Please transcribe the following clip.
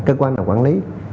cơ quan nào quản lý